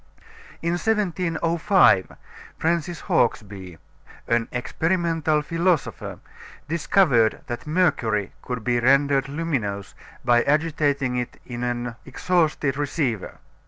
In 1705 Francis Hawksbee, an experimental philosopher, discovered that mercury could be rendered luminous by agitating it in an exhausted receiver.